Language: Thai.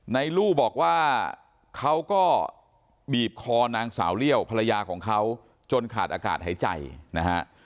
ลู่บอกว่าเขาก็บีบคอนางสาวเลี่ยวภรรยาของเขาจนขาดอากาศหายใจนะฮะ